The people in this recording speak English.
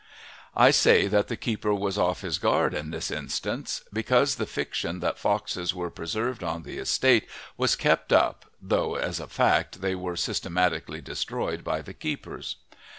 I say that the keeper was off his guard in this instance, because the fiction that foxes were preserved on the estate was kept up, though as a fact they were systematically destroyed by the keepers.